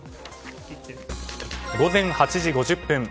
午前８時５０分。